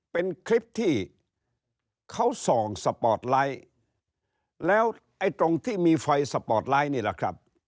เป็นคลิปที่เขาส่องสปอร์ตไลท์แล้วไอ้ตรงที่มีไฟสปอร์ตไลท์นี่แหละครับ